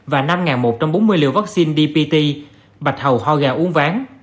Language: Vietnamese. và năm một trăm bốn mươi liều vaccine dpt bạch hầu ho gà uống ván